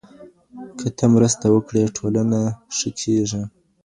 که ته مرسته وکړې، ټولنه ښه کېږي.